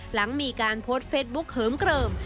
หลังมีการโพสต์เฟสบุ๊คเหิมเกลิม